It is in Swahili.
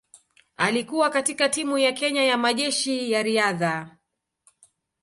Alikuwa katika timu ya Kenya ya Majeshi ya Riadha.